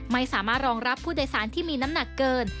ไม่สามารถรองรับผู้โดยสารที่มีน้ำหนักเกิน